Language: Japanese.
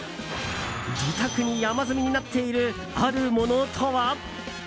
自宅に山積みになっているあるものとは？